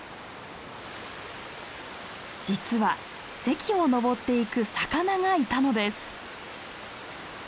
実は堰をのぼっていく魚がいたのです。